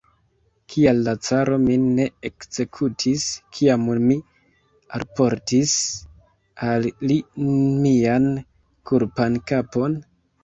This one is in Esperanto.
Kial la caro min ne ekzekutis, kiam mi alportis al li mian kulpan kapon?